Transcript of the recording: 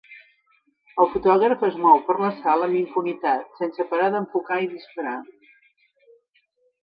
El fotògraf es mou per la sala amb impunitat, sense parar d'enfocar i disparar.